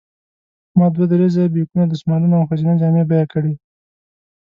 ما دوه درې ځایه بیکونه، دستمالونه او ښځینه جامې بیه کړې.